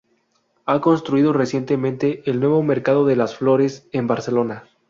Ha construido recientemente el Nuevo Mercado de las Flores en Barcelona.